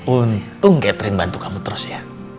untung catering bantu kamu terus ya